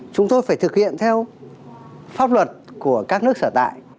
chúng tôi phải thực hiện theo pháp luật của các nước sở tại